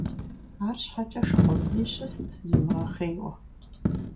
АрщхьэкӀэ ШыкъумцӀий щыст зимыгъэхъейуэ.